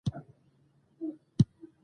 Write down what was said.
څوک غواړي چې په خپل ژوند کې بدلون راولي